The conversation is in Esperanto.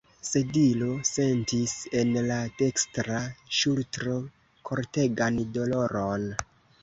Sedilo sentis en la dekstra ŝultro fortegan doloron.